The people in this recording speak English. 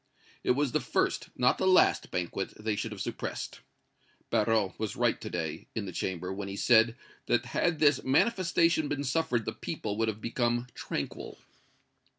It was the first, not the last banquet they should have suppressed. Barrot was right to day, in the Chamber, when he said that had this manifestation been suffered the people would have become tranquil."